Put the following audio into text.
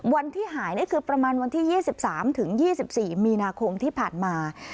วันที่หายนี่คือประมาณวันที่๒๓ถึง๒๔มีนาคมที่ผ่านมา